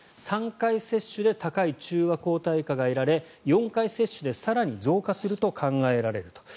３回接種で高い中和抗体価が得られ４回接種で更に増加すると考えられると。